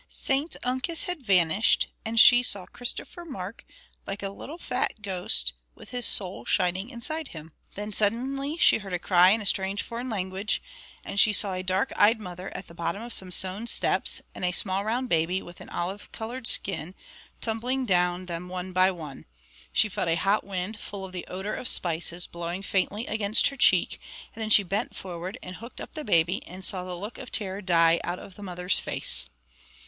St Uncus had vanished, and she saw Christopher Mark like a little fat ghost, with his soul shining inside him. Then she suddenly heard a cry in a strange foreign language, and she saw a dark eyed mother at the bottom of some stone steps, and a small round baby, with an olive coloured skin, tumbling down them one by one. She felt a hot wind, full of the odour of spices, blowing faintly against her cheek; and then she bent forward and hooked up the baby, and saw the look of terror die out of the mother's face.